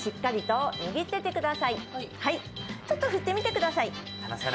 ちょっと振ってみてください。